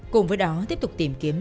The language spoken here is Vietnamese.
cùng với đó tiếp tục tìm kiếm